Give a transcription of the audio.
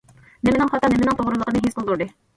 نېمىنىڭ خاتا، نېمىنىڭ توغرىلىقىنى ھېس قىلدۇردى.